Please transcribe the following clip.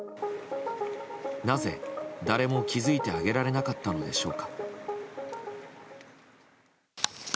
なぜ誰も気づいてあげられなかったのでしょうか。